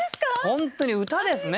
本当に歌ですね